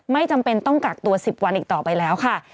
ไม่จำเป็นต้องกักตัว๑๐วันอีกต่อไปแล้วค่ะ